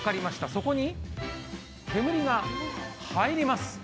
そこに煙が入ります。